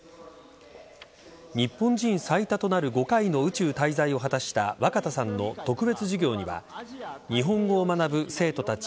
日本人最多となる５回の宇宙滞在を果たした若田さんの特別授業には日本語を学ぶ生徒たち